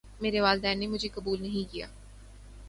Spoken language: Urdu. میرے والدین نے مجھے قبول نہیں کیا